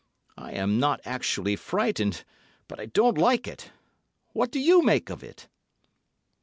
I am not actually frightened, but I don't like it. What do you make of it?"